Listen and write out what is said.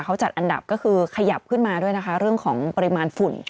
เขาจัดอันดับก็คือขยับขึ้นมาด้วยนะคะเรื่องของปริมาณฝุ่น